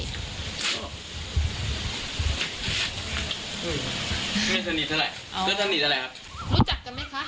ไม่สนิทเท่าไรไม่สนิทเท่าไรครับรู้จักกันไหมคะ